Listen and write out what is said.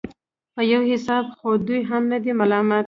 په يو حساب خو دوى هم نه دي ملامت.